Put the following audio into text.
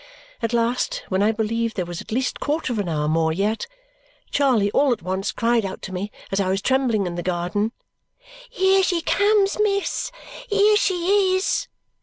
At last, when I believed there was at least a quarter of an hour more yet, Charley all at once cried out to me as I was trembling in the garden, "Here she comes, miss! Here she is!"